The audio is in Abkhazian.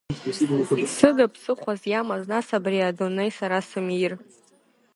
Сыда ԥсыхәас иамаз, нас, абри адунеи, сара сымир!